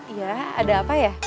iya ada apa ya